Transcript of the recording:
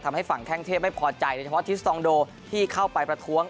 ทำให้ฝั่งแข้งเทพไม่พอใจโดยเฉพาะทิสตองโดที่เข้าไปประท้วง